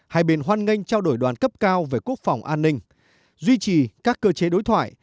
hai bên hoan nghênh trao đổi đoàn cấp cao về quốc phòng an ninh duy trì các cơ chế đối thoại